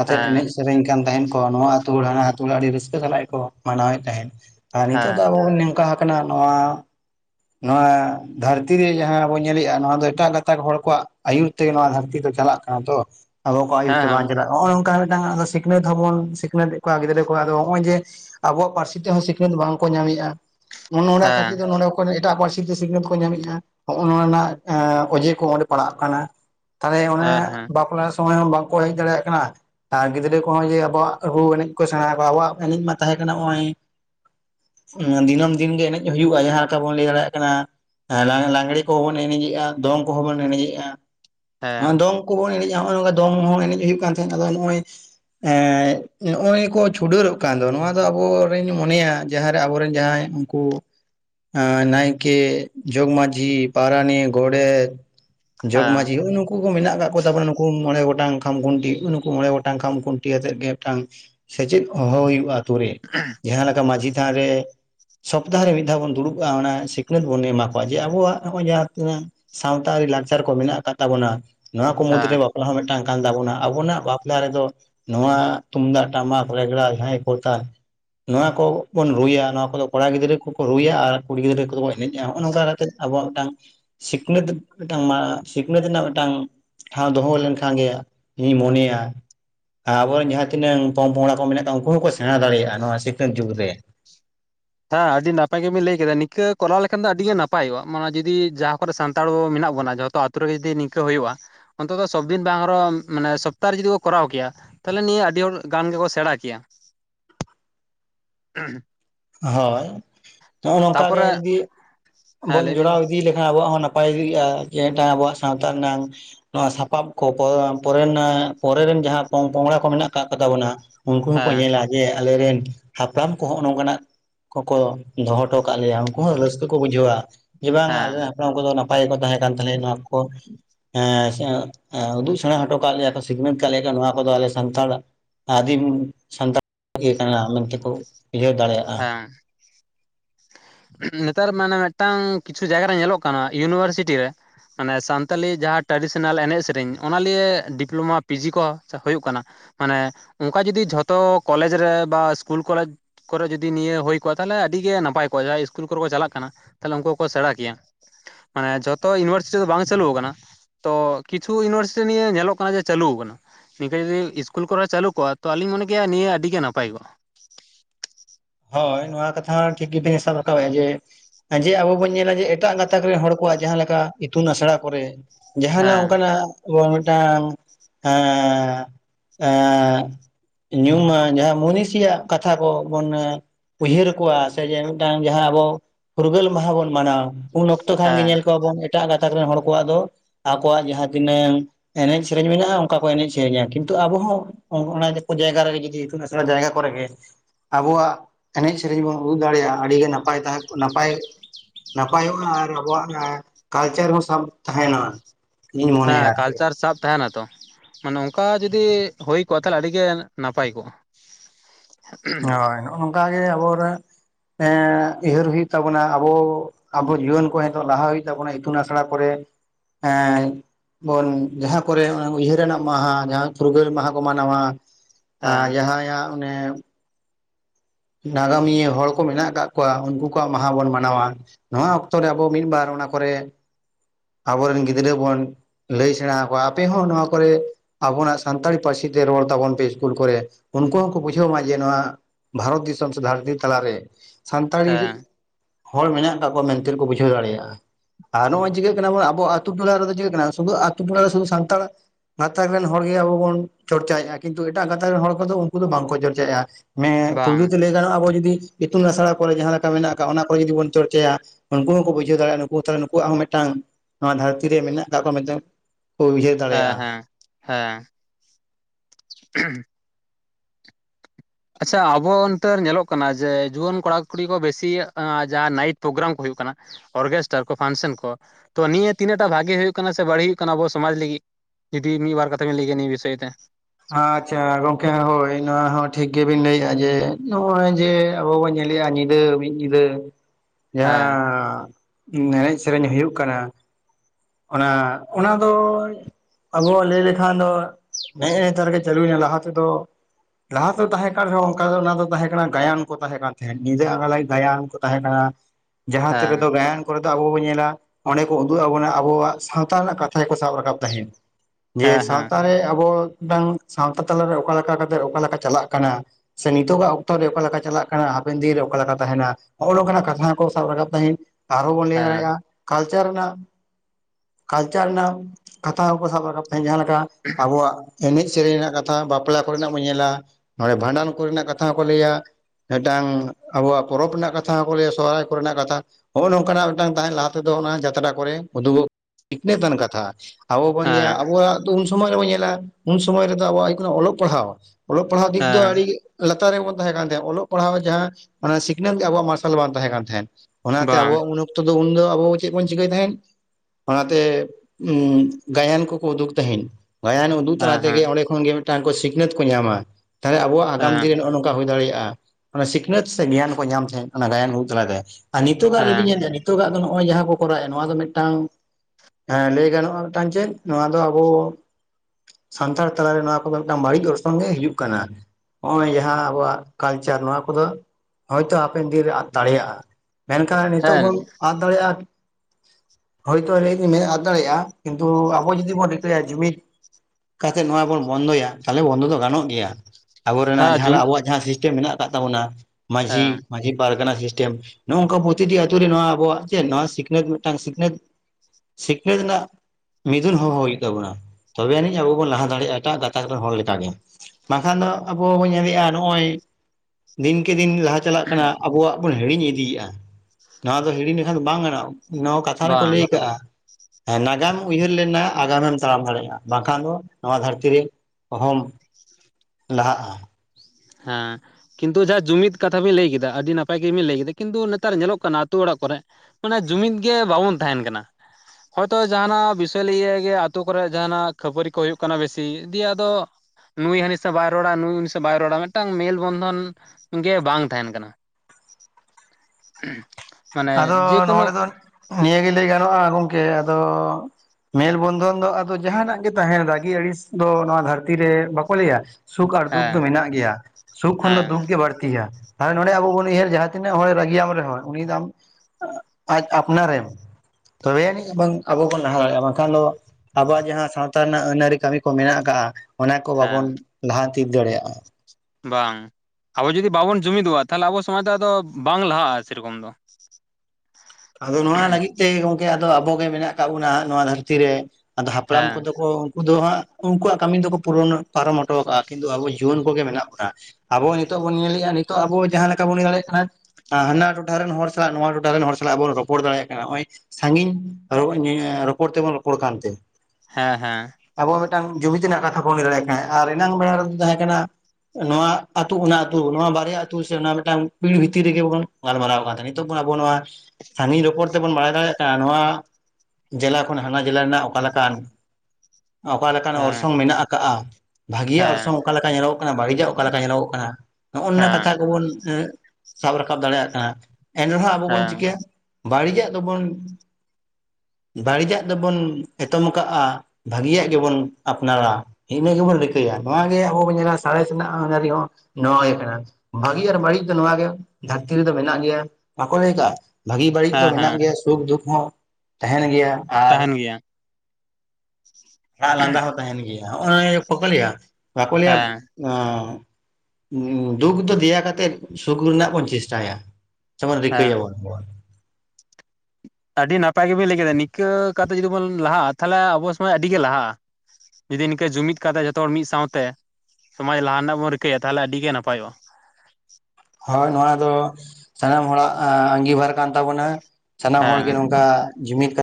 ᱟᱛᱮ ᱮᱱᱮᱡ ᱦᱮᱸ ᱥᱮᱨᱮᱧ- ᱠᱟᱱ ᱛᱟᱦᱮᱸᱱ ᱠᱚ ᱱᱚᱣᱟ ᱟᱹᱛᱩ ᱦᱚᱲ ᱦᱟᱱᱟ ᱟᱹᱛᱩ ᱦᱚᱲ ᱟᱹᱰᱤ ᱨᱟᱹᱥᱠᱟᱹ ᱥᱟᱞᱟᱜ ᱜᱮ ᱠᱚ ᱢᱟᱱᱟᱣᱮᱫ ᱛᱟᱦᱮᱸᱫ᱾ ᱟᱨ ᱦᱮᱸ ᱱᱤᱛᱚᱜ ᱦᱮᱸ ᱫᱚ ᱟᱵᱚ ᱵᱚᱱ ᱱᱮᱝᱠᱟ ᱟᱠᱟᱱᱟ ᱱᱚᱣᱟ- ᱱᱚᱣᱟ ᱫᱷᱟᱹᱨᱛᱤ ᱨᱮ ᱡᱟᱦᱟᱸ ᱵᱚᱱ ᱧᱮᱞᱮᱜᱼᱟ ᱱᱚᱣᱟ ᱫᱚ ᱮᱴᱟᱜ ᱜᱟᱛᱟᱠ ᱦᱚᱲ ᱠᱚᱣᱟᱜ ᱟᱹᱭᱩᱨ- ᱛᱮ ᱱᱚᱣᱟ ᱫᱷᱟᱹᱨᱛᱤ ᱫᱚ ᱪᱟᱞᱟᱜ ᱠᱟᱱᱟ ᱛᱚ ᱟᱵᱚ ᱠᱚᱣᱟᱜ ᱟᱹᱭᱩᱨ ᱛᱮ ᱦᱮᱸ ᱵᱟᱝ ᱪᱟᱞᱟᱜᱼᱟ ᱱᱚᱜ ᱱᱚᱝᱠᱟ ᱢᱤᱫᱴᱟᱝ ᱥᱤᱠ- ᱥᱤᱠᱷᱱᱟᱹᱛ ᱦᱚᱸᱵᱚᱱ ᱥᱤᱠᱷᱱᱟᱹᱛᱮᱫ ᱠᱚᱣᱟ ᱜᱤᱫᱽᱨᱟᱹ ᱠᱚ ᱟᱫᱚ ᱱᱚᱜ ᱚᱭ ᱡᱮ ᱟᱵᱚᱣᱟᱜ ᱯᱟᱹᱨᱥᱤ ᱛᱮᱦᱚᱸ ᱥᱤᱠᱷᱱᱟᱹᱛ ᱵᱟᱝᱠᱚ ᱧᱟᱢᱮᱫᱼᱟ ᱚᱱ ᱚᱱᱟ ᱠᱷᱟᱹᱛᱤᱨ ᱦᱮᱸ ᱛᱮ ᱱᱚᱰᱮ ᱠᱷᱚᱱ ᱮᱴᱟᱜ ᱯᱟᱹᱨᱥᱤ ᱛᱮ ᱥᱤᱠᱱᱟᱹᱛ ᱠᱚ ᱧᱟᱢᱮᱫᱼᱟ᱾ ᱦᱚᱜᱚ ᱱᱚᱣᱟ ᱨᱮᱱᱟᱜ ᱦᱮᱸ ᱚᱡᱮ ᱠᱚ ᱚᱸᱰᱮ ᱯᱟᱲᱦᱟᱜ ᱠᱟᱱᱟ ᱛᱟᱦᱚᱞᱮ ᱚᱱᱟ ᱦᱮᱸ ᱦᱮᱸ ᱵᱟᱯᱞᱟ ᱥᱩ- ᱛᱚ ᱦᱚᱸᱜᱼᱚᱭ ᱵᱟᱝᱠᱚ ᱦᱮᱡ ᱫᱟᱲᱮᱭᱟᱜ ᱠᱟᱱᱟ ᱟᱨ ᱜᱤᱫᱽᱨᱟᱹ ᱠᱚᱦᱚᱸ ᱡᱮ ᱟᱵᱚᱣᱟᱜ ᱨᱩ ᱮᱱᱮᱡ ᱠᱚ ᱥᱮᱬᱟ ᱠᱚᱣᱟ ᱟᱵᱚᱣᱟᱜ ᱮᱱᱮᱡ ᱢᱟ ᱛᱟᱦᱮᱸ ᱠᱟᱱᱟ ᱱᱚᱜᱼᱚᱭ ᱫᱤᱱᱟᱹᱢ ᱫᱤᱱ‌ ᱜᱮ ᱮᱱᱮᱡ- ᱦᱩᱭᱩᱜᱼᱟ ᱡᱟᱦᱟᱸ ᱞᱮᱠᱟ ᱵᱚᱱ ᱞᱟᱹᱭ ᱫᱟᱲᱮᱭᱟᱜ ᱠᱟᱱᱟ ᱞᱟᱜᱽᱮ ᱠᱚᱦᱚᱸ ᱵᱚᱱ ᱮᱱᱮᱡᱮᱜᱼᱟ ᱫᱚᱝ ᱠᱚᱦᱚᱸ ᱵᱚᱱ ᱮᱱᱮᱡᱮᱜᱼᱟ᱾ ᱦᱮᱸ ᱫᱚᱝ ᱠᱚᱵᱚᱱ ᱮᱱᱮᱡᱼᱟ ᱱᱚᱜᱼᱚᱭ ᱱᱚᱝᱠᱟ ᱫᱚᱝ ᱦᱚᱸ ᱮᱱᱮᱡ ᱦᱩᱭᱩᱜ ᱠᱟᱱ ᱛᱟᱦᱮᱸᱫ ᱟᱫᱚ ᱱᱚᱜᱼᱚᱭ ᱱᱚᱜᱼᱚᱭ ᱠᱚ ᱪᱷᱩᱰᱟᱹᱨᱚᱜ ᱠᱟᱱ ᱫᱚ ᱱᱚᱣᱟ ᱫᱚ ᱟᱵᱚᱨᱤᱧ ᱢᱚᱱᱮᱭᱟ ᱡᱟᱦᱟᱸᱨᱮ ᱟᱵᱚᱨᱮᱱ ᱡᱟᱦᱟᱸᱭ ᱩᱱᱠᱩ ᱟ ᱱᱟᱭᱠᱮ ᱡᱚᱜᱽ ᱢᱟᱡᱷᱤ ᱯᱟᱨᱟᱱᱤ ᱜᱳᱲᱮᱛ ᱡᱚᱠ ᱦᱮᱸ ᱢᱟᱡᱷᱤ ᱦᱩᱜᱼᱩ ᱱᱩᱠ- ᱩᱱᱠᱩ ᱠᱚ ᱢᱮᱱᱟᱜ ᱟᱠᱟᱫ ᱠᱚᱛᱟᱵᱚᱱᱟ ᱱᱩᱠᱩ ᱢᱚᱬᱮ ᱜᱚᱴᱟᱝ ᱠᱷᱟᱢ ᱠᱷᱩᱱᱴᱤ ᱱᱩᱠᱩ ᱢᱚᱬᱮ ᱜᱚᱴᱟᱝ ᱠᱷᱟᱢ ᱠᱷᱩᱱᱴᱤ ᱟᱛᱮᱫ ᱜᱮ ᱢᱤᱫᱴᱟᱝ- ᱥᱮᱪᱮᱫ ᱦᱚᱦᱚ ᱦᱩᱭᱩᱜᱼᱟ ᱟᱹᱛᱳ ᱨᱮ ᱡᱟᱦᱟᱸ ᱞᱮᱠᱟ ᱢᱟᱺᱡᱷᱤ ᱛᱷᱟᱱ ᱨᱮ ᱥᱚᱯᱛᱟᱦ ᱨᱮ ᱢᱤᱫ ᱫᱷᱟᱣ ᱵᱚᱱ ᱫᱩᱲᱩᱵ- ᱟ ᱚᱱᱟ ᱥᱤᱠᱷᱱᱟᱹᱛ ᱵᱚᱱ ᱮᱢᱟ ᱠᱚᱣᱟ ᱡᱮ ᱟᱵᱚᱣᱟᱜ ᱡᱟᱦᱟᱸ ᱛᱤᱱᱟᱹᱜ- ᱥᱟᱶᱛᱟ ᱟᱹᱨᱤ ᱞᱟᱠᱪᱟᱨ ᱠᱚ ᱢᱮᱱᱟᱜ ᱟᱠᱟᱫ ᱛᱟᱵᱚᱱᱟ ᱱᱚᱣᱟ ᱠᱚ ᱦᱮᱸ ᱢᱩᱫᱽᱨᱮ ᱵᱟ- ᱞᱟ ᱦᱚᱸ ᱢᱤᱫᱴᱟᱝ ᱠᱟᱱ ᱛᱟᱵᱚᱱᱟ ᱟᱵᱚᱱᱟᱜ ᱵᱟᱯᱞᱟ ᱨᱮᱫᱚ- ᱱᱚᱣᱟ ᱛᱩᱢᱫᱟᱜ ᱴᱟᱢᱟᱠ ᱨᱮᱜᱽᱲᱟ ᱡᱷᱟᱸᱭ ᱠᱚᱨᱛᱟᱞ ᱱᱚᱣᱟ ᱠᱚᱵᱚᱱ ᱨᱩᱭᱟ ᱱᱚᱣᱟ ᱠᱚᱫᱚ ᱠᱚᱲᱟ ᱜᱤᱫᱽᱨᱟᱹ ᱠᱚᱠᱚ ᱨᱩᱭᱟ ᱟᱨ- ᱠᱩᱲᱤ ᱜᱤᱫᱽᱨᱟᱹ ᱠᱚᱫᱚ ᱠᱚ ᱮᱱᱮᱡᱼᱟ ᱱᱚᱜᱼᱚ ᱱᱚᱝᱠᱟ ᱠᱟᱛᱮ ᱟᱵᱚᱣᱟᱜ ᱢᱤᱫᱴᱟᱝ- ᱥᱤᱠᱷᱱᱟᱹᱛ ᱢᱤᱫᱴᱟᱝ ᱢᱟ ᱥᱤᱠᱷᱱᱟᱹᱛ ᱨᱮᱱᱟᱜ ᱢᱤᱫᱴᱟᱝ- ᱴᱷᱟᱶ ᱫᱚᱦᱚ ᱞᱮᱱᱠᱷᱟᱱ ᱜᱮ ᱤᱧᱤᱧ ᱢᱚᱱᱮᱭᱟ- ᱟᱵᱚᱨᱮᱱ ᱡᱟᱦᱟᱸ ᱛᱤᱱᱟᱹᱜ ᱯᱚᱼᱯᱚᱝᱲᱟ ᱠᱚ ᱢᱮᱱᱟᱜ ᱠᱚᱣᱟ ᱩᱱᱠᱩ ᱦᱚᱸᱠᱚ ᱥᱮᱬᱟ ᱫᱟᱲᱮᱭᱟᱜᱼᱟ ᱱᱚᱣᱟ ᱥᱤᱠᱷᱱᱟᱹᱛ ᱡᱩᱜᱽ ᱨᱮ᱾ ᱦᱮᱸ ᱟᱹᱰᱤ ᱱᱟᱯᱟᱭ ᱜᱮᱵᱤᱱ ᱞᱟᱹᱭ ᱠᱮᱫᱟ ᱱᱤᱝᱠᱟᱹ ᱠᱚᱨᱟᱣ ᱞᱮᱠᱷᱟᱱ ᱫᱚ ᱟᱹᱰᱤ ᱜᱮ ᱱᱟᱯᱟᱭᱚᱜᱼᱟ ᱢᱟᱱᱮ ᱡᱩᱫᱤ ᱡᱟᱦᱟᱸ ᱠᱚᱨᱮᱜ ᱥᱟᱱᱛᱟᱲ ᱠᱚ ᱢᱮᱱᱟᱜ ᱵᱚᱱᱟ ᱡᱚᱛᱚ- ᱟᱛᱳ ᱨᱮ ᱡᱩᱫᱤ ᱱᱤᱝᱠᱟᱹ ᱦᱩᱭᱩᱜᱼᱟ ᱚᱱᱛᱚᱛᱚ ᱥᱚᱵ ᱫᱤᱱ ᱵᱟᱝ ᱨᱮᱦᱚᱸ ᱢᱟᱱᱮ ᱥᱚᱯᱛᱟᱨᱮ ᱡᱩᱫᱤ ᱠᱚ ᱠᱚᱨᱟᱣ ᱠᱮᱭᱟ- ᱛᱟᱦᱞᱮ ᱱᱤᱭᱟᱹ ᱟᱹᱰᱤ ᱜᱟᱱ ᱜᱮᱠᱚ ᱥᱮᱸᱬᱟ ᱠᱮᱭᱟ᱾ [INAUDIBLE] [UNINTELLIGIBLE] ᱦᱳᱭ ᱱᱚᱜᱚᱭ ᱱᱚᱝᱠᱟ ᱜᱮ ᱛᱟᱯᱚᱨᱮ ᱡᱩᱫᱤ ᱦᱮᱸ ᱵᱚᱱ ᱞᱟᱹᱭ ᱵᱤᱱ ᱡᱚᱲᱟᱣ ᱤ ᱞᱮᱠᱷᱟᱱ ᱟᱵᱚᱣᱟᱜ ᱦᱚᱸ ᱱᱟᱯᱟᱭ ᱜᱮ ᱦᱩᱭᱩᱜᱼᱟ ᱡᱮ ᱢᱮᱫ ᱴᱟᱝ ᱟᱵᱚᱣᱟᱜ ᱥᱟᱶᱛᱟ ᱨᱮᱱᱟᱝ ᱱᱚᱣᱟ ᱥᱟᱯᱟᱵ ᱠᱚ ᱯᱚᱨᱚᱵ ᱯᱚᱨᱚ ᱨᱮᱱᱟᱜ ᱯᱚᱨᱮ ᱨᱮᱱ ᱡᱟᱦᱟᱸ ᱯᱚᱝᱯᱚᱝᱜᱲᱟ ᱠᱚ ᱢᱮᱱᱟᱜ ᱠᱟᱜ ᱠᱚ ᱛᱟᱵᱚᱱᱟ ᱩᱱᱠᱩ ᱦᱚᱸᱠᱚ ᱦᱮᱸ ᱧᱮᱞᱟ ᱡᱮ ᱟᱞᱮ ᱨᱮᱱ ᱦᱟᱯᱲᱟᱢ ᱠᱚᱦᱚᱸ ᱱᱚᱝᱠᱟ ᱱᱟᱜ ᱠᱚᱠᱚ ᱫᱚᱦᱚ ᱦᱚᱴᱚ ᱠᱟᱜ ᱞᱮᱭᱟ ᱩᱱᱠᱩ ᱦᱚᱸ ᱨᱟᱹᱥᱠᱟᱹ ᱠᱚ ᱵᱩᱡᱷᱟᱹᱣᱼᱟ ᱡᱮ ᱵᱟᱝ ᱦᱮᱸ ᱟᱞᱮ [INAUDIBLE] ᱩᱱᱠᱩ ᱫᱚ ᱱᱟᱯᱟᱭ ᱜᱮᱠᱚ ᱛᱟᱦᱮᱸ ᱠᱟᱱ ᱛᱷᱟᱞᱮ ᱱᱚᱣᱟ ᱠᱚ ᱦᱮᱸ [INAUDIBLE] ᱩᱫᱩᱜ ᱥᱮᱸᱬᱟ ᱦᱚᱴᱚ ᱠᱟᱜ ᱞᱮᱭᱟ ᱠᱚ ᱥᱤᱠᱷᱱᱟᱹᱛ ᱠᱟᱜ ᱞᱮᱜᱮᱭᱟ ᱱᱚᱣᱟ ᱠᱚᱫᱚ ᱟᱞᱮ ᱥᱟᱱᱛᱟᱲ ᱟᱜ ᱟᱹᱫᱤᱢ ᱥᱟᱱᱛᱟᱲ [INAUDIBLE] ᱤᱭᱟᱹ ᱠᱟᱱᱟ ᱢᱮᱱᱛᱮ ᱠᱚ ᱩᱭᱦᱟᱹᱨ ᱫᱟᱲᱮᱭᱟᱜᱼᱟ᱾ ᱦᱮᱸ [UNINTELLIGIBLE] ᱱᱮᱛᱟᱨ ᱢᱟᱱᱮ ᱢᱤᱫᱴᱟᱝ ᱠᱤᱪᱷᱩ ᱡᱟᱭᱜᱟ ᱨᱮ ᱧᱮᱞᱚᱜ ᱠᱟᱱᱟ ᱤᱭᱩᱱᱤᱵᱷᱟᱨᱥᱤᱴᱤ ᱨᱮ ᱢᱟᱱᱮ ᱥᱟᱱᱛᱟᱞᱤ ᱡᱟᱦᱟᱸ ᱴᱨᱟᱰᱤᱥᱚᱱᱟᱞ ᱮᱱᱮᱡ ᱥᱮᱨᱮᱧ ᱚᱱᱟᱞᱤᱭᱮ ᱰᱤᱯᱞᱳᱢᱟ ᱯᱤᱡᱤ ᱠᱚ ᱦᱩᱭᱩᱜ ᱠᱟᱱᱟ ᱢᱟᱱᱮ ᱚᱱᱠᱟ ᱡᱩᱫᱤ ᱡᱷᱚᱛᱚ ᱠᱚᱞᱮᱡᱽ ᱨᱮ ᱵᱟ ᱤᱥᱠᱩᱞ ᱠᱚᱞᱮᱡᱽ- ᱠᱚᱨᱮ ᱡᱩᱫᱤ ᱱᱤᱭᱟᱹ ᱦᱩᱭ ᱠᱚᱜᱼᱟ ᱛᱟᱦᱞᱮ ᱟᱹᱰᱤ ᱜᱮ ᱱᱟᱯᱟᱭ ᱠᱚᱜᱼᱟ᱾ ᱚ ᱡᱟᱦᱟᱸᱭ ᱤᱥᱠᱩᱞ ᱠᱚᱨᱮ ᱠᱚ ᱪᱟᱞᱟᱜ ᱠᱟᱱᱟ ᱛᱟᱦᱚᱞᱮ ᱩᱱᱠᱩ ᱠᱚ ᱥᱮᱬᱟ ᱠᱮᱭᱟ᱾ ᱢᱟᱱᱮ ᱡᱷᱚᱛᱚ ᱤᱭᱩᱱᱤᱵᱷᱟᱨᱥᱤᱴᱤ ᱫᱚ ᱵᱟᱝ ᱪᱟᱹᱞᱩ ᱟᱠᱟᱱᱟ ᱛᱚ ᱠᱤᱪᱷᱩ ᱤᱭᱩᱱᱤᱵᱷᱟᱨᱥᱤᱴᱤ ᱱᱤᱭᱮ ᱧᱮᱞᱚᱜ ᱠᱟᱱᱟ ᱡᱮ ᱪᱟᱹᱞᱩ ᱟᱠᱟᱱᱟ ᱱᱤᱝᱠᱟᱹ ᱡᱩᱫᱤ ᱤᱥᱠᱩᱞ ᱠᱚᱨᱮ ᱪᱟᱹᱞᱩ ᱠᱚᱜᱼᱟ ᱛᱚ ᱟᱞᱤᱧ ᱢᱚᱱᱮ ᱠᱮᱭᱟ ᱱᱤᱭᱟᱹ ᱟᱹᱰᱤ ᱜᱮ ᱱᱟᱯᱟᱭ ᱠᱚᱜᱼᱟ ᱦᱳᱭ ᱱᱚᱣᱟ ᱠᱟᱛᱷᱟ ᱴᱷᱤᱠ ᱜᱮᱵᱤᱱ ᱥᱟᱵ ᱨᱟᱠᱟᱵᱮᱼᱟ ᱡᱮ ᱡᱮ ᱟᱵᱚ ᱵᱚᱱ ᱧᱮᱞᱟ ᱡᱮ ᱮᱴᱟᱜ ᱜᱟᱛᱟᱠ ᱨᱮᱱ ᱦᱚᱲ ᱠᱚᱣᱟᱜ ᱡᱟᱦᱟᱸ ᱞᱮᱠᱟ ᱤᱛᱩᱱ ᱟᱥᱲᱟ ᱠᱚᱨᱮ ᱡᱟᱦᱟᱸ ᱱᱟᱸᱜ ᱦᱮᱸ ᱚᱱᱠᱟᱱᱟᱸᱜ ᱢᱤᱫᱴᱟᱝ ᱮᱸᱼ ᱮᱸ ᱧᱩᱢᱟ ᱡᱟᱦᱟᱸ ᱢᱩᱱᱤᱥᱤᱭᱟᱜ ᱠᱟᱛᱷᱟ ᱠᱚ ᱵᱚᱱ [INAUDIBLE] ᱩᱭᱦᱟᱹᱨ ᱟᱠᱚᱣᱟ ᱥᱮ ᱡᱮ ᱢᱤᱫᱴᱟᱝ ᱡᱟᱦᱟᱸ ᱟᱵᱚ ᱯᱷᱩᱨᱜᱟᱹᱞ ᱢᱟᱦᱟ ᱵᱚᱱ ᱢᱟᱱᱟᱣᱟ ᱩᱱ ᱚᱠᱛᱚ ᱠᱷᱟᱱ ᱜᱮ ᱦᱮᱸ ᱧᱮᱞ ᱠᱚᱣᱟ ᱵᱚᱱ ᱮᱴᱟᱜ ᱜᱟᱛᱟᱠ ᱨᱮᱱ ᱦᱚᱲ ᱠᱚᱣᱟᱜ ᱫᱚ ᱟᱠᱚᱣᱟᱜ ᱡᱟᱦᱟᱸ ᱛᱤᱱᱟᱹᱝ ᱮᱱᱮᱡ ᱥᱮᱨᱮᱧ ᱢᱮᱱᱟᱜᱼᱟ ᱚᱝᱠᱟ ᱠᱚ ᱮᱱᱮᱡ ᱥᱮᱨᱮᱧᱟ ᱠᱤᱱᱛᱩ ᱟᱵᱚ ᱦᱚᱸ ᱚᱱᱟ ᱡᱚᱛᱚ ᱡᱟᱭᱜᱟ ᱨᱮᱜᱮ ᱡᱩᱫᱤ ᱤᱛᱩᱱ ᱟᱥᱲᱟ ᱡᱟᱭᱜᱟ ᱠᱚᱨᱮ ᱜᱮ ᱟᱵᱚᱣᱟᱜ ᱮᱱᱮᱡ ᱥᱮᱨᱮᱧ ᱵᱚᱱ ᱩᱫᱩᱜ ᱫᱟᱲᱮᱭᱟᱜᱼᱟ ᱟᱹᱰᱤ ᱜᱮ ᱱᱟᱯᱟᱭ ᱛᱟᱦᱮᱸ [INAUDIBLE] ᱱᱟᱯᱟᱭ ᱱᱟᱯᱟᱭᱚᱜ ᱢᱟ ᱟᱨ ᱟᱵᱚᱣᱟᱜ ᱠᱟᱞᱪᱟᱨ ᱦᱚᱸ ᱥᱟᱵ ᱛᱟᱦᱮᱸᱱᱟ ᱦᱮᱸ ᱠᱟᱞᱪᱟᱨ ᱥᱟᱵ ᱛᱟᱦᱮᱸᱱᱟ ᱛᱚ ᱢᱟᱱᱮ ᱚᱱᱠᱟ ᱡᱩᱫᱤ ᱦᱩᱭ ᱠᱚᱜᱼᱟ ᱛᱟᱦᱚᱞᱮ ᱟᱹᱰᱤ ᱜᱮ ᱱᱟᱯᱟᱭ ᱠᱚᱜᱼᱟ ᱦᱳᱭ ᱱᱚᱜᱚ ᱱᱚᱝᱠᱟᱜ ᱜᱮ ᱟᱵᱚᱨᱮᱸ ᱮᱸ ᱩᱭᱦᱟᱹᱨ ᱦᱩᱭᱩᱜ ᱛᱟᱵᱚᱱᱟ ᱟᱵᱚ ᱟᱵᱚ ᱡᱩᱣᱟᱹᱱ ᱠᱚ ᱱᱤᱛᱚᱜ ᱞᱟᱦᱟ ᱦᱩᱭᱩᱜ ᱛᱟᱵᱚᱱᱟ ᱤᱛᱩᱱ ᱟᱥᱲᱟ ᱠᱚᱨᱮ ᱮᱸ ᱵᱚᱱ ᱡᱟᱦᱟᱸ ᱠᱚᱨᱮ ᱩᱭᱦᱟᱹᱨᱟᱱᱟᱜ ᱢᱟᱦᱟ ᱡᱟᱦᱟᱸ ᱯᱷᱩᱨᱜᱟᱹᱞ ᱢᱟᱦᱟ ᱠᱚ ᱢᱟᱱᱟᱣᱼᱟ ᱟᱸ ᱦᱮᱸ ᱡᱟᱦᱟᱸ ᱭᱟᱜ ᱚᱱᱮ ᱱᱟᱜᱟᱢᱤᱭᱟᱹ ᱦᱚᱲ ᱠᱚ ᱢᱮᱱᱟᱜ ᱠᱟᱜ ᱠᱚᱣᱟ ᱩᱱᱠᱩ ᱠᱚᱣᱟᱜ ᱢᱟᱦᱟ ᱵᱚᱱ ᱢᱟᱱᱟᱣᱼᱟ ᱱᱚᱣᱟ ᱚᱠᱛᱚ ᱨᱮ ᱟᱵᱚ ᱢᱤᱫᱵᱟᱨ ᱚᱱᱟ ᱠᱚᱨᱮ ᱟᱵᱚᱨᱤᱱ ᱜᱤᱫᱽᱨᱟᱹ ᱵᱚᱱ ᱞᱟᱹᱭ ᱥᱮᱸᱬᱟ ᱟᱠᱚᱣᱟ ᱟᱯᱮ ᱦᱚᱸ ᱱᱚᱣᱟ ᱠᱚᱨᱮ ᱟᱵᱚᱱᱟᱜ ᱥᱟᱱᱛᱟᱲᱤ ᱯᱟᱹᱨᱥᱤ ᱛᱮ ᱨᱚᱲ ᱛᱟᱵᱚᱱ ᱯᱮ ᱤᱥᱠᱩᱞ ᱠᱚᱨᱮ ᱩᱱᱠᱩ ᱦᱚᱸᱠᱚ ᱵᱩᱡᱷᱟᱹᱣ ᱢᱟ ᱡᱮ ᱱᱚᱣᱟ ᱵᱷᱟᱨᱚᱛ ᱫᱤᱥᱚᱢ ᱥᱮ ᱫᱷᱟᱨᱛᱤ ᱛᱟᱞᱟ ᱨᱮ ᱥᱟᱱᱛᱟᱲᱤ [INAUDIBLE] ᱦᱮᱸ ᱦᱚᱲ ᱢᱮᱱᱟᱜ ᱟᱠᱟᱫ ᱠᱚᱣᱟ ᱢᱮᱱᱛᱮᱫ ᱠᱚ ᱵᱩᱡᱷᱟᱹᱣ ᱫᱟᱲᱮᱭᱟᱜᱼᱟ ᱟᱨ ᱱᱚᱜᱼᱚᱭ ᱪᱤᱠᱟᱹᱜ ᱠᱟᱱᱟ ᱵᱚ ᱟᱵᱚ ᱟᱛᱩ ᱴᱚᱞᱟ ᱨᱮᱫᱚ ᱪᱤᱠᱟᱹᱜ ᱠᱟᱱᱟ ᱥᱩᱫᱩ ᱟᱛᱩ ᱴᱚᱞᱟ ᱥᱩᱫᱩ ᱥᱟᱱᱛᱟᱲ ᱜᱟᱛᱟᱠ ᱨᱮᱱ ᱦᱚᱲ ᱜᱮ ᱟᱵᱚ ᱵᱟᱵᱚᱱ ᱪᱚᱨᱪᱟᱭᱮᱜᱼᱟ ᱠᱤᱱᱛᱩ ᱮᱴᱟᱜ ᱜᱟᱛᱟᱠ ᱨᱮᱱ ᱦᱚᱲ ᱠᱚᱫᱚ ᱩᱱᱠᱩ ᱫᱚ ᱵᱟᱝᱠᱚ ᱪᱚᱨᱪᱟᱭᱮᱜᱼᱟ ᱢᱮ ᱵᱟᱝ ᱯᱩᱭᱞᱩ ᱛᱮ ᱞᱟᱹᱭ ᱜᱟᱱᱚᱜᱼᱟ ᱟᱵᱚ ᱡᱩᱫᱤ ᱤᱛᱩᱱ ᱟᱥᱲᱟ ᱠᱚᱨᱮ ᱡᱟᱦᱟᱸ ᱞᱮᱠᱟ ᱢᱮᱱᱟᱜ ᱠᱫ ᱚᱱᱟ ᱠᱚᱨᱮ ᱡᱩᱫᱤ ᱵᱚᱱ ᱪᱚᱨᱪᱟᱭᱟ ᱩᱱᱠᱩ ᱦᱚᱸᱠᱚ ᱵᱩᱡᱷᱟᱹᱣ ᱫᱟᱲᱮᱭᱟᱜᱼᱟ ᱱᱩᱠᱩ ᱦᱚᱸᱛᱚ ᱱᱩᱠᱩᱣᱟᱜ ᱦᱚᱸ ᱢᱤᱫᱴᱟᱝ ᱱᱚᱣᱟ ᱫᱷᱟᱹᱨᱛᱤ ᱨᱮ ᱢᱮᱱᱟᱜ ᱠᱟᱜ ᱠᱚᱣᱟ ᱢᱮᱱᱛᱮᱫ ᱦᱮᱸ ᱦᱮᱸ ᱦᱮᱸ [UNINTELLIGIBLE] ᱟᱪᱪᱷᱟ ᱟᱵᱚ ᱱᱤᱛᱟᱨ ᱧᱮᱞᱚᱜ ᱠᱟᱱᱟ ᱡᱮ ᱡᱩᱣᱟᱹᱱ ᱠᱚᱲᱟ ᱠᱩᱲᱤ ᱠᱚ ᱵᱮᱥᱤ ᱡᱟᱦᱟᱸ ᱱᱟᱭᱤᱴ ᱯᱨᱳᱜᱨᱟᱢ ᱠᱚ ᱦᱩᱭᱩᱜ ᱠᱟᱱᱟ ᱚᱨᱜᱮᱥᱴᱟᱨ ᱠᱚ ᱯᱷᱟᱱᱥᱮᱟᱱ ᱠᱚ ᱛᱚ ᱱᱤᱭᱟᱹ ᱛᱤᱱᱟᱹᱜᱴᱟ ᱵᱷᱟᱜᱤ ᱦᱩᱭᱩᱜ ᱠᱟᱱᱟ ᱥᱮ ᱵᱟᱹᱲᱤᱡ ᱦᱩᱭᱩᱜ ᱠᱟᱱᱟ ᱟᱵᱚ ᱥᱚᱢᱟᱡᱽ ᱞᱤᱜᱤᱜ ᱡᱩᱫᱤ ᱱᱤᱭᱟᱹ ᱵᱟᱨ ᱠᱚᱛᱮ ᱵᱤᱱ ᱞᱟᱹᱭ ᱠᱮᱭᱟ ᱱᱤᱭᱟᱹ ᱵᱤᱥᱚᱭ ᱛᱮ ᱟᱪᱪᱷᱟ ᱜᱚᱝᱠᱮ ᱦᱳᱭ ᱱᱚᱣᱟ ᱦᱚᱸ ᱴᱷᱤᱠ ᱜᱮᱵᱤᱱ ᱞᱟᱹᱭᱮᱜᱼᱟ ᱡᱮ ᱱᱚᱜᱼᱚᱭ ᱡᱮ ᱟᱵᱚ ᱵᱚᱱ ᱧᱮᱞᱮ ᱟᱜ ᱡᱮ [INAUDIBLE] ᱧᱤᱫᱟᱹ ᱢᱤᱫ ᱧᱤᱫᱟᱹ ᱦᱮᱸ ᱡᱟᱦᱟᱸ ᱮᱱᱮᱡ ᱥᱮᱨᱮᱧ ᱦᱩᱭᱩᱜ ᱠᱟᱱᱟ ᱚᱱᱟ ᱚᱱᱟ ᱫᱚᱭ ᱟᱵᱚ ᱟᱜ ᱞᱟᱹᱭ ᱞᱮᱠᱷᱟᱱ ᱫᱚ ᱱᱮᱜ ᱱᱮᱛᱟᱨ ᱜᱮ ᱪᱟᱹᱞᱩ ᱭᱮᱱᱟ ᱞᱟᱦᱟ ᱛᱮᱫᱚ ᱞᱟᱦᱟᱛᱮ ᱛᱟᱦᱮᱸ ᱠᱟᱱ ᱨᱮᱦᱚᱸ ᱚᱱᱠᱟ ᱫᱚ ᱚᱱᱟ ᱫᱚ ᱛᱟᱦᱮᱸ ᱠᱟᱱᱟ ᱜᱟᱭᱟᱱ ᱠᱚ ᱛᱟᱦᱮᱸ ᱠᱟᱱ ᱛᱟᱦᱮᱸᱫ ᱧᱤᱫᱟᱹ ᱟᱸᱜᱟ ᱞᱟᱜᱤᱫ ᱜᱟᱭᱟᱱ ᱠᱚ ᱛᱟᱦᱮᱸ ᱠᱟᱱᱟ ᱡᱟᱦᱟᱸ ᱛᱮ ᱦᱮᱸ ᱨᱮᱫᱚ ᱜᱟᱭᱟᱱ ᱠᱚᱨᱮ ᱫᱚ ᱟᱵᱚ ᱵᱚᱱ ᱧᱮᱞᱟ ᱚᱸᱰᱮ ᱠᱚ ᱩᱫᱩᱜ ᱟᱵᱚᱱᱟ ᱟᱨ ᱟᱵᱚᱣᱟᱜ ᱥᱟᱸᱶᱛᱟ ᱨᱮᱱᱟᱜ ᱠᱟᱛᱷᱟ ᱜᱮᱠᱚ ᱥᱟᱵ ᱨᱟᱠᱟᱵ ᱛᱟᱦᱮᱸᱫ, ᱡᱮ ᱦᱮᱸ ᱦᱮᱸ ᱥᱟᱸᱶᱛᱟ ᱨᱮ ᱟᱵᱚ ᱢᱤᱫᱴᱟᱝ ᱼᱼ ᱥᱟᱸᱶᱛᱟ ᱛᱟᱞᱟᱨᱮ ᱚᱠᱟ ᱞᱮᱠᱟ ᱠᱟᱛᱮᱜ ᱚᱠᱟ ᱞᱮᱠᱟ ᱪᱟᱞᱟᱜ ᱠᱟᱱᱟ? ᱥᱮ ᱱᱤᱛᱚᱜᱟᱜ ᱚᱠᱛᱚ ᱨᱮ ᱚᱠᱟ ᱞᱮᱠᱟ ᱪᱟᱞᱟᱜ ᱠᱟᱱᱟ, ᱦᱟᱯᱮᱱ ᱫᱤᱱ ᱨᱮ ᱚᱠᱟ ᱞᱮᱠᱟ ᱛᱟᱦᱮᱱᱟ? ᱦᱚᱸᱜ ᱱᱚᱝᱠᱟᱱᱟᱜ ᱠᱟᱛᱷᱟ ᱦᱚᱸ ᱠᱚ ᱥᱟᱵ ᱨᱟᱠᱟᱵ ᱛᱟᱸᱦᱮᱫ ᱟᱨᱦᱚᱸ ᱵᱚᱱ ᱞᱟᱹᱭ ᱫᱟᱲᱮᱭᱟᱜᱼᱟ ᱦᱮᱸ ᱠᱟᱞᱪᱟᱨ ᱨᱮᱱᱟᱜ ᱼᱼ ᱠᱟᱞᱪᱟᱨ ᱨᱮᱱᱟᱜ ᱠᱟᱛᱷᱟ ᱦᱚᱸᱠᱚ ᱥᱟᱵ ᱨᱟᱠᱟᱵ ᱛᱟᱦᱮᱸᱫ ᱡᱟᱸᱦᱟ ᱞᱮᱠᱟ ᱟᱵᱚᱣᱟᱜ ᱼᱼ ᱮᱱᱮᱡ ᱥᱮᱨᱮᱧ ᱨᱮᱱᱟᱜ ᱠᱟᱛᱷᱟ, ᱵᱟᱯᱞᱟ ᱠᱚᱨᱮᱱᱟᱜ ᱵᱚᱱ ᱧᱮᱞᱟ, ᱱᱚᱰᱮ ᱵᱷᱟᱸᱰᱟᱱ ᱠᱚᱨᱮᱱᱟᱜ ᱠᱟᱛᱷᱟ ᱦᱚᱸᱠᱚ ᱞᱟᱹᱭᱟ᱾ ᱢᱤᱫᱴᱟᱝ ᱟᱵᱚᱣᱟᱜ ᱯᱚᱨᱚᱵ ᱨᱮᱱᱟᱜ ᱠᱟᱛᱷᱟ ᱦᱚᱸ ᱠᱚ ᱞᱟᱹᱭᱟ, ᱥᱚᱦᱚᱨᱟᱭ ᱠᱚᱨᱮᱱᱟᱜ ᱠᱟᱛᱷᱟᱼᱼ ᱦᱚᱸᱜᱼᱚ ᱱᱚᱝᱠᱟᱱᱟᱜ ᱢᱤᱫᱴᱟᱝ ᱛᱟᱦᱮᱸᱱ ᱞᱟᱦᱟ ᱛᱮᱫᱚ ᱚᱱᱟ ᱡᱟᱛᱨᱟ ᱠᱚᱨᱮ᱾ ᱩᱫᱩᱜ [UNINTELLIGIBLE] ᱥᱤᱠᱷᱱᱟᱹᱛᱟᱱ ᱠᱟᱛᱷᱟ ᱟᱵᱚ ᱵᱚᱱ ᱞᱟᱹᱭᱟ ᱦᱮᱸ ᱟᱵᱚᱣᱟᱜ ᱩᱱ ᱥᱚᱢᱚᱭ ᱨᱮᱵᱚᱱ ᱧᱮᱞᱟ ᱩᱱ ᱥᱚᱢᱚᱭ ᱨᱮᱫᱚ ᱟᱵᱚᱣᱟᱜ ᱦᱩᱭᱩᱜ ᱠᱟᱱᱟ ᱚᱞᱚᱜ ᱯᱟᱲᱦᱟᱣ, ᱚᱞᱚᱜ ᱯᱟᱲᱦᱟᱣ ᱫᱤᱠ ᱫᱚ ᱦᱮᱸ ᱟᱹᱰᱤ ᱞᱟᱛᱟᱨ ᱨᱮᱜᱮᱵᱚᱱ ᱛᱟᱦᱮᱸ ᱠᱟᱱ ᱛᱟᱦᱮᱸᱫ᱾ ᱚᱞᱚᱜ ᱯᱟᱲᱦᱟᱣ ᱡᱟᱦᱟᱸ ᱚᱱᱟ ᱥᱤᱠᱷᱱᱟᱹᱛ ᱜᱮ ᱟᱵᱚᱣᱟᱜ ᱢᱟᱨᱥᱟᱞ ᱵᱟᱝ ᱛᱟᱦᱮᱸ ᱠᱟᱱ ᱛᱟᱦᱮᱸᱫ᱾ ᱚᱱᱟᱛᱮ ᱵᱟᱝ ᱟᱵᱚᱣᱟᱜ ᱩᱱ ᱚᱠᱛᱚ ᱫᱚ, ᱩᱱᱫᱚ ᱟᱵᱚ ᱪᱮᱫ ᱵᱚᱱ ᱪᱤᱠᱟᱹᱭ ᱛᱟᱦᱮᱸᱫ? ᱚᱱᱟᱛᱮ ᱩᱸ ᱜᱟᱭᱟᱱ ᱠᱚᱠᱚ ᱩᱫᱩᱜ ᱛᱟᱦᱮᱱ᱾ ᱜᱟᱭᱟᱱ ᱩᱫᱩᱜ ᱛᱟᱞᱟ ᱦᱮᱸ ᱦᱮᱸ ᱛᱮᱜᱮ ᱚᱸᱰᱮ ᱠᱷᱚᱱ ᱜᱮ ᱢᱤᱫ ᱢᱤᱫᱴᱟᱝ ᱠᱚ ᱥᱤᱠᱷᱱᱟᱹᱛ ᱠᱚ ᱧᱟᱢᱟ, ᱛᱟᱦᱚᱞᱮ ᱟᱵᱚᱣᱟᱜ ᱟᱜᱟᱢ ᱫᱤᱱ ᱨᱮ ᱦᱮᱸ ᱱᱚᱜᱼᱚ ᱚᱱᱠᱟ ᱦᱩᱭ ᱫᱟᱲᱮᱭᱟᱜᱼᱟ᱾ ᱚᱱᱟ ᱥᱤᱠᱷᱱᱟᱹᱛ ᱥᱮ ᱜᱮᱭᱟᱱ ᱠᱚ ᱧᱟᱢ ᱛᱟᱦᱮᱸᱫ ᱚᱱᱟ ᱜᱟᱭᱟᱱ ᱦᱩᱭᱩᱜ ᱛᱟᱞᱟᱛᱮ᱾ ᱟᱨ ᱱᱤᱛᱚᱜᱟᱜ ᱨᱮᱵᱤᱱ ᱦᱮᱸ ᱧᱮᱞᱮᱫᱼᱟ ᱱᱤᱛᱚᱜᱟᱜ ᱫᱚ ᱱᱚᱜᱼᱚᱭ ᱡᱟᱦᱟᱸ ᱠᱚ ᱠᱚᱨᱟᱣᱮᱫ ᱱᱚᱣᱟ ᱫᱚ ᱢᱤᱫ ᱢᱤᱫᱴᱟᱝ ᱦᱮᱸ ᱞᱟᱹᱭ ᱜᱟᱱᱚᱜᱼᱟ ᱢᱤᱫᱴᱟᱝ ᱪᱮᱫ, ᱱᱚᱣᱟ ᱫᱚ ᱟᱵᱚ ᱥᱟᱱᱛᱟᱲ ᱛᱟᱞᱟᱨᱮ ᱱᱚᱣᱟ ᱠᱚᱫᱚ ᱢᱤᱫᱴᱟᱱ ᱵᱟᱹᱲᱤᱡ ᱚᱨᱥᱚᱝ ᱜᱮ ᱦᱤᱡᱩᱜ ᱠᱟᱱᱟ᱾ ᱱᱚᱜᱼᱚᱭ ᱡᱟᱦᱟᱸ ᱟᱵᱚᱣᱟᱜ ᱠᱟᱞᱪᱟᱨ, ᱱᱚᱣᱟ ᱠᱚᱫᱚ ᱦᱚᱭᱛᱳ ᱦᱟᱯᱮᱱ ᱫᱤᱱᱨᱮ ᱟᱫ ᱫᱟᱲᱮᱭᱟᱜᱼᱟ᱾ ᱢᱮᱱᱠᱷᱟᱱ ᱱᱤᱛᱚᱜ ᱦᱮᱸ ᱵᱚᱱ ᱟᱫ ᱫᱟᱲᱮᱭᱟᱜᱼᱟ᱾ ᱦᱳᱭᱛᱳ ᱞᱟᱹᱭ ᱫᱟᱹᱧ ᱢᱮ ᱟᱫ ᱫᱟᱲᱮᱭᱟᱜᱼᱟ ᱠᱤᱱᱛᱩ ᱟᱵᱚ ᱡᱩᱫᱤ ᱵᱚᱱ ᱨᱤᱠᱟᱹᱭᱟ ᱡᱩᱢᱤᱫ ᱠᱟᱛᱮᱫ ᱱᱚᱣᱟ ᱵᱚᱱ ᱵᱚᱱᱫᱚᱭᱟ ᱛᱟᱦᱚᱞᱮ ᱵᱚᱱᱫᱚ ᱫᱚ ᱜᱟᱱᱚᱜ ᱜᱮᱭᱟ᱾ ᱟᱵᱚ ᱨᱮᱱᱟᱜ ᱦᱮᱸ ᱡᱟᱦᱟᱸᱟ ᱡᱩᱢ ᱟᱵᱚᱣᱟᱜ ᱡᱟᱦᱟᱸ ᱥᱤᱥᱴᱮᱢ ᱢᱮᱱᱟᱜ ᱟᱠᱟᱫ ᱛᱟᱵᱚᱱᱟ ᱢᱟᱺᱡᱷᱤ ᱦᱮᱸ ᱢᱟᱺᱡᱷᱤ ᱯᱟᱨᱜᱟᱱᱟ ᱥᱤᱥᱴᱮᱢ ᱱᱚᱝᱠᱟ ᱯᱨᱚᱛᱤᱴᱤ ᱟᱛᱳ ᱨᱮ ᱱᱚᱣᱟ ᱟᱵᱚᱣᱟᱜ ᱪᱮᱫ ᱱᱚᱣᱟ ᱥᱤᱠᱷᱱᱟᱹᱛ ᱢᱤᱫᱴᱟᱝ [UNINTELLIGIBLE] ᱥᱤᱠᱷᱱᱟ. ᱛ ᱨᱮᱱᱟᱜ ᱢᱤᱫᱩᱱ ᱦᱚᱦᱚ ᱦᱩᱭᱩᱜ ᱛᱟᱵᱚᱱᱟ ᱛᱚᱵᱮ ᱟᱹᱱᱤᱡ ᱟᱵᱚ ᱵᱚᱱ ᱞᱟᱦᱟ ᱫᱟᱲᱮᱭᱟᱜᱼᱟ ᱮᱴᱟᱜ ᱜᱟᱛᱟᱠ ᱨᱮᱱ ᱦᱚᱲ ᱞᱮᱠᱟᱜᱮ᱾ ᱵᱟᱝᱠᱷᱟᱱ ᱫᱚ ᱟᱵᱚ ᱦᱚᱵᱚᱱ ᱧᱮᱞᱮᱜᱼᱟ ᱱᱚᱜᱼᱚᱭ ᱫᱤᱱᱠᱮ ᱫᱤᱱ ᱞᱟᱦᱟ ᱪᱟᱞᱟᱜ ᱠᱟᱱᱟ ᱟᱵᱚᱣᱟᱜ ᱵᱚᱱ ᱦᱤᱲᱤᱧ ᱤᱫᱤᱭᱮᱫᱼᱟ ᱱᱚᱣᱟ ᱫᱚ ᱦᱤᱲᱤᱧ ᱞᱮᱠᱷᱟᱱ ᱫᱚ ᱵᱟᱝ ᱜᱟᱱᱚᱜᱼᱟ ᱱᱚᱣᱟ ᱠᱟᱛᱷ ᱚᱱᱮ ᱠᱚ ᱵᱟᱝ ᱞᱟᱹᱭ ᱠᱟᱜᱼᱟ᱾ ᱦᱮᱸ ᱱᱟᱜᱟᱢ ᱩᱭᱦᱟᱹᱨ ᱞᱮᱱᱟ ᱟᱜᱟᱢᱮᱢ ᱛᱟᱲᱟᱢ ᱫᱟᱲᱮᱭᱟᱜᱼᱟ ᱵᱟᱝᱠᱷᱟᱱ ᱫᱚ ᱱᱚᱣᱟ ᱫᱷᱟᱹᱨᱛᱤ ᱨᱮ ᱚᱦᱚᱢ ᱞᱟᱦᱟᱜᱼᱟ᱾ ᱦᱮᱸ ᱠᱤᱱᱛᱩ ᱡᱟᱦᱟᱸ ᱡᱩᱢᱤᱫ ᱠᱟᱛᱷᱟ ᱵᱤᱱ ᱞᱟᱹᱭ ᱠᱮᱫᱟ ᱟᱹᱰᱤ ᱱᱟᱯᱟᱭ ᱜᱮᱵᱤᱱ ᱞᱟᱹᱭ ᱠᱮᱫᱟ᱾ᱠᱤᱱᱛᱩ ᱱᱮᱛᱟᱨ ᱧᱮᱞᱚᱜ ᱠᱟᱱᱟ ᱟᱹᱛᱩ ᱚᱲᱟᱜ ᱠᱚᱨᱮ ᱢᱟᱱᱮ ᱡᱩᱢᱤᱫ ᱜᱮ ᱵᱟᱵᱚᱱ ᱛᱟᱦᱮᱱ ᱠᱟᱱᱟ᱾ ᱦᱚᱭᱛᱚ ᱡᱟᱦᱱᱟᱜ ᱵᱤᱥᱚᱭ ᱱᱤᱭᱮ ᱜᱮ ᱟᱛᱚ ᱠᱚᱨᱮ ᱡᱟᱦᱱᱟᱜ ᱠᱷᱟᱹᱯᱟᱹᱨᱤ ᱠᱚ ᱦᱩᱭᱩᱜ ᱠᱟᱱᱟ ᱵᱮᱥᱤ ᱫᱤᱭᱮ ᱟᱫᱚ ᱱᱩᱭ ᱦᱟᱹᱱᱤ ᱥᱟᱸᱶ ᱵᱟᱭ ᱨᱚᱲᱟ ᱱᱩᱭ ᱩᱱᱤ ᱥᱟᱸᱶ ᱵᱟᱭ ᱨᱚᱲᱟ᱾ ᱢᱤᱫᱴᱟᱝ ᱢᱮᱞ ᱵᱚᱱᱫᱷᱚᱱ ᱜᱮ ᱵᱟᱝ ᱛᱟᱦᱮᱱ ᱠᱟᱱᱟ᱾ ᱢᱟᱱᱮ ᱟᱫᱚ ᱡᱮᱠᱳᱱᱳ ᱱᱚᱰᱮ ᱫᱚ ᱱᱤᱭᱟᱹᱟᱹᱜᱮ ᱞᱟᱹᱭ ᱜᱟᱱᱚᱜᱼᱟ ᱜᱚᱝᱠᱮ ᱟᱫᱚ ᱢᱮᱞ ᱵᱚᱱᱫᱷᱚᱱ ᱫᱚ ᱟᱫᱚ ᱡᱟᱦᱱᱟᱜ ᱜᱮ ᱛᱟᱦᱮᱱᱟ ᱨᱟᱹᱜᱤ ᱟᱹᱲᱤᱥ ᱫᱚ ᱱᱚᱣᱟ ᱫᱷᱟᱹᱨᱛᱤ ᱨᱮ ᱵᱟᱠᱚ ᱞᱟᱹᱭᱟ ᱥᱩᱠᱷ ᱟᱨ ᱫᱩᱠᱷ ᱫᱚ ᱦᱮᱸ ᱢᱮᱱᱟᱜ ᱜᱮᱭᱟ ᱥᱩᱠᱷ ᱠᱷᱚᱱ ᱫᱚ ᱦᱮᱸ ᱫᱩᱠᱷ ᱜᱮ ᱵᱟᱹᱲᱛᱤᱭᱟ᱾ ᱟᱨ ᱱᱚᱰᱮ ᱟᱵᱚ ᱵᱚᱱ ᱩᱭᱷᱟᱹᱨ ᱡᱟᱦᱟᱸ ᱛᱤᱱᱟᱹᱜ ᱦᱚᱲ ᱨᱟᱹᱜᱤᱭᱟᱢ ᱨᱮᱦᱚᱸ ᱩᱱᱤ ᱫᱚ ᱟᱢ ᱟᱡ ᱟᱯᱱᱟᱨᱮᱢ, ᱛᱚᱵᱮ ᱟᱹᱱᱤᱡ ᱵᱚᱱ ᱟᱵᱚ ᱵᱚᱱ ᱞᱟᱦᱟ ᱫᱟᱲᱮᱭᱟᱜᱼᱟ᱾ ᱵᱟᱝᱠᱷᱟᱱ ᱫᱚᱼᱼ ᱟᱵᱚᱣᱟᱜ ᱡᱟᱦᱟᱸ ᱥᱟᱸᱶᱛᱟ ᱨᱮᱱᱟᱜ ᱟᱹᱱ ᱟᱹᱨᱤ ᱠᱟᱹᱢᱤ ᱠᱚ ᱢᱮᱱᱟᱜ ᱠᱟᱜ-ᱟ ᱚᱱᱟ ᱠᱚ ᱦᱮᱸ ᱵᱟᱵᱚᱱ ᱞᱟᱦᱟᱱᱛᱤ ᱫᱟᱲᱮᱭᱟᱜᱼᱟ᱾ ᱵᱟᱝ, ᱟᱵᱚ ᱡᱩᱫᱤ ᱵᱟᱵᱚᱱ ᱡᱩᱢᱤᱫᱚᱜᱼᱟ ᱛᱟᱦᱚᱞᱮ ᱟᱵᱚ ᱥᱚᱢᱟᱡᱽ ᱫᱚ ᱟᱫᱚ ᱵᱟᱝ ᱞᱟᱦᱟᱜᱼᱟ ᱥᱮᱨᱚᱠᱚᱢ ᱫᱚ᱾ ᱟᱫᱚ ᱱᱚᱣᱟ ᱞᱟᱹᱜᱤᱫ ᱛᱮ ᱜᱚᱝᱠᱮ ᱟᱫᱚ ᱟᱵᱚᱜᱮ ᱢᱮᱱᱟᱜ ᱠᱟᱜ ᱵᱚᱱᱟ ᱱᱚᱣᱟ ᱫᱷᱟᱹᱨᱛᱤ ᱨᱮ᱾ ᱟᱫᱚ ᱦᱟᱯᱲᱟᱢ ᱦᱮᱸ ᱠᱚᱫᱚ ᱠᱚ ᱩᱱᱠᱩ ᱫᱚ ᱦᱟᱸᱜ ᱩᱱᱠᱩᱟᱜ ᱠᱟᱹᱢᱤ ᱫᱚᱠᱚ ᱯᱩᱨᱚᱱ ᱯᱟᱨᱚᱢ ᱦᱚᱴᱚ ᱠᱟᱜᱼᱟ ᱠᱤᱱᱛᱩ ᱟᱵᱚ ᱡᱩᱣᱟᱹᱱ ᱠᱚᱜᱮ ᱢᱮᱱᱟᱜ ᱵᱚᱱᱟ᱾ ᱟᱵᱚ ᱱᱤᱛᱚᱜ ᱵᱚᱱ ᱧᱮᱞᱮᱜᱼᱟ ᱱᱤᱛᱚᱜ ᱟᱵᱚ ᱡᱟᱦᱟᱸ ᱞᱮᱠᱟ ᱵᱚᱱ ᱞᱟᱹᱭ ᱫᱟᱲᱮᱭᱟᱜ ᱠᱟᱱᱟ ᱦᱟᱱᱟ ᱴᱚᱴᱷᱟ ᱨᱮᱱ ᱦᱚᱲ ᱥᱟᱞᱟᱜ ᱱᱚᱣᱟ ᱴᱚᱴᱷᱟ ᱨᱮᱱ ᱦᱚᱲ ᱥᱟᱞᱟᱜ ᱟᱵᱚ ᱨᱚᱯᱚᱲ ᱫᱟᱲᱮᱭᱟᱜ ᱠᱟᱱᱟ ᱦᱚᱜᱼᱚᱭ ᱥᱟᱜᱤᱧ ᱨᱚᱯᱚᱲ ᱛᱮᱵᱚᱱ ᱨᱚᱯᱚᱲ ᱠᱟᱱ ᱛᱮ ᱦᱮᱸ ᱦᱮᱸ ᱟᱵᱚ ᱢᱤᱫᱴᱟᱝ ᱡᱩᱢᱤᱫ ᱨᱮᱱᱟᱜ ᱠᱟᱛᱷᱟ ᱵᱚᱱ ᱞᱟᱹᱭ ᱫᱟᱲᱭᱟᱜ ᱠᱟᱱᱟ ᱟᱨ ᱮᱱᱟᱝ ᱵᱮᱲᱟ ᱨᱮᱫᱚ ᱛᱟᱦᱮᱸ ᱠᱟᱱᱟ ᱱᱚᱣᱟ ᱟᱹᱛᱩ ᱚᱱᱟ ᱟᱹᱛᱩ ᱱᱚᱣᱟ ᱵᱟᱨᱭᱟ ᱟᱹᱛᱩ ᱥᱮ ᱚᱱᱟ ᱢᱤᱫᱴᱟᱝ ᱯᱤᱲ ᱵᱷᱤᱛᱤᱨ ᱨᱮᱜᱮ ᱵᱚᱱ ᱜᱟᱞᱢᱟᱨᱟᱣ ᱠᱟᱱ ᱛᱟᱦᱮᱸᱱᱟ ᱱᱤᱛᱚᱜ ᱟᱵᱚ ᱱᱚᱣᱟ ᱥᱟᱜᱤᱧ ᱨᱚᱯᱚᱲ ᱛᱮᱵᱚᱱ ᱵᱟᱲᱟᱭ ᱫᱟᱲᱮᱭᱟᱜ ᱠᱟᱱᱟ ᱱᱚᱣᱟ ᱡᱮᱞᱟ ᱠᱷᱚᱱ ᱦᱟᱱᱟ ᱡᱮᱞᱟ ᱨᱮᱱᱟᱜ ᱚᱠᱟᱞᱮᱠᱟᱱ ᱚᱠᱟᱞᱮᱠᱟᱱ ᱦᱮᱸ ᱚᱨᱥᱚᱝ ᱢᱮᱱᱟᱜ ᱟᱠᱟᱜᱼᱟ ᱵᱷᱟᱜᱤᱭᱟᱜ ᱦᱮᱸ ᱚᱨᱥᱚᱝ ᱚᱠᱟᱮ ᱞᱮᱠᱟ ᱧᱮᱞᱚᱜᱚᱜ ᱠᱟᱱᱟ ᱵᱟᱹᱲᱤᱡᱟᱜ ᱚᱠᱟ ᱞᱮᱠᱟ ᱧᱮᱞᱚᱜᱚᱜ ᱠᱟᱱᱟ ᱱᱚᱜᱱᱱᱟ ᱦᱮᱸ ᱠᱟᱛᱷᱟ ᱠᱚᱵᱚᱱ ᱥᱟᱵ ᱨᱟᱠᱟᱵ ᱫᱟᱲᱮᱭᱟᱜ ᱠᱟᱱᱟ ᱮᱱ ᱨᱮᱦᱚᱸ ᱟᱵᱚ ᱵᱚᱱ ᱦᱮᱸ ᱪᱤᱠᱟᱹᱭᱟ ᱵᱟᱹᱲᱤᱡᱟᱜ ᱫᱚᱵᱚᱱ ᱵᱟᱹᱲᱤᱡᱟᱜ ᱫᱚᱵᱚᱱ ᱮᱛᱚᱢ ᱠᱟᱜᱼᱟ, ᱵᱷᱟᱜᱤᱭᱟᱜ ᱜᱮᱵᱚᱱ ᱟᱯᱱᱟᱨᱟ᱾ ᱤᱱᱟᱹ ᱜᱮᱵᱚᱱ ᱨᱤᱠᱟᱹᱭᱟ ᱱᱚᱣᱟ ᱜᱮ ᱟᱵᱚ ᱵᱚᱱ ᱧᱮᱞᱟ ᱥᱟᱬᱮᱥ ᱨᱮᱱᱟᱜ ᱟᱹᱱ ᱟᱹᱨᱤ ᱦᱚᱸ ᱱᱚᱣᱟ ᱜᱮ ᱠᱟᱱᱟ᱾ ᱵᱷᱟᱹᱜᱤ ᱟᱨ ᱵᱟᱹᱲᱤᱡ ᱫᱚ ᱱᱚᱣᱟ ᱜᱮ ᱫᱷᱟᱹᱨᱛᱤ ᱨᱮᱫᱚ ᱢᱮᱱᱟᱜ ᱜᱮᱭᱟ ᱵᱟᱠᱚ ᱞᱟᱹᱭ ᱠᱟᱜᱼᱟᱼᱼ ᱵᱷᱟᱜᱤ ᱵᱟᱹᱲᱤᱡ ᱫᱚ ᱦᱮᱸ ᱢᱮᱱᱟᱜ ᱦᱮᱸ ᱜᱮᱭᱟ ᱥᱩᱠᱫᱩᱠ ᱦᱚᱸ ᱛᱟᱦᱮᱱ ᱜᱮᱭᱟ ᱟᱨ ᱛᱟᱦᱮᱱ ᱜᱮᱭᱟ ᱨᱟᱜ ᱞᱟᱸᱫᱟ ᱦᱚᱸ ᱛᱟᱦᱮᱱ ᱜᱮᱭᱟ ᱦᱚᱜᱼᱚᱭ ᱯᱠᱚᱞᱮᱭᱟ ᱵᱟᱠᱚᱞᱭᱟ ᱦᱮᱸ ᱫᱩᱠ ᱫᱚ ᱫᱮᱭᱟᱠᱟᱛᱮᱫ ᱥᱩᱠ ᱨᱮᱱᱟᱜ ᱵᱩᱱ ᱪᱮᱥᱴᱟᱭᱟ ᱥᱮ ᱵᱚᱱ ᱨᱤᱠᱟᱹ ᱦᱮᱸ ᱭᱟᱵᱚᱱ ᱵᱚᱱ ᱟᱹᱰᱤ ᱱᱟᱯᱟᱭ ᱜᱮᱵᱤᱱ ᱞᱟᱹᱭ ᱠᱮᱫᱟ ᱱᱤᱝᱠᱟᱹ ᱠᱟᱛᱮ ᱡᱩᱫᱤ ᱵᱚᱱ ᱞᱟᱦᱟᱜᱼᱟ ᱛᱟᱦᱚᱞᱮ ᱟᱵᱚ ᱥᱚᱢᱟᱡᱽ ᱟᱹᱰᱤ ᱜᱮ ᱞᱟᱦᱟᱜᱼᱟ ᱡᱩᱫᱤ ᱱᱤᱝᱠᱟᱹ ᱡᱩᱢᱤᱫ ᱠᱟᱛᱮ ᱡᱷᱚᱛᱚ ᱦᱚᱲ ᱢᱤᱫ ᱥᱟᱶᱛᱮ ᱥᱚᱢᱟᱡᱽ ᱞᱟᱦᱟ ᱨᱮᱱᱟᱜ ᱵᱚᱱ ᱨᱤᱠᱟᱹᱭᱟ ᱛᱟᱦᱚᱞᱮ ᱟᱹᱰᱤ ᱜᱮ ᱱᱟᱯᱟᱭᱚᱜᱼᱟ᱾ ᱦᱳᱭ ᱱᱚᱣᱟ ᱫᱚ ᱥᱟᱱᱟᱢ ᱦᱚᱲᱟᱜ ᱟᱜᱤᱵᱷᱟᱨ ᱠᱟᱱ ᱛᱟᱵᱚᱱᱟ ᱥᱟᱱᱟᱢ ᱦᱚᱲ ᱦᱮᱸ ᱜᱮ ᱱᱚᱝᱠᱟ ᱡᱩᱢᱤᱫ ᱠᱟᱛᱮ